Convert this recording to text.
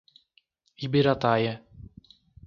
Ibirataia